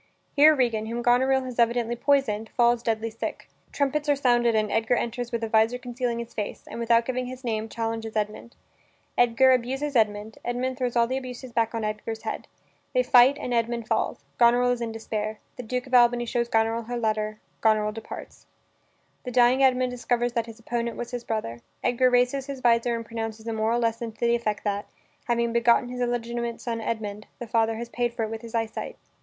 Here Regan, whom Goneril has evidently poisoned, falls deadly sick. Trumpets are sounded and Edgar enters with a vizor concealing his face, and, without giving his name, challenges Edmund. Edgar abuses Edmund; Edmund throws all the abuses back on Edgar's head. They fight and Edmund falls. Goneril is in despair. The Duke of Albany shows Goneril her letter. Goneril departs. The dying Edmund discovers that his opponent was his brother. Edgar raises his vizor and pronounces a moral lesson to the effect that, having begotten his illegitimate son Edmund, the father has paid for it with his eyesight.